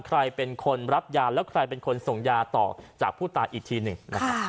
ใครเป็นคนรับยาแล้วใครเป็นคนส่งยาต่อจากผู้ตายอีกทีหนึ่งนะครับ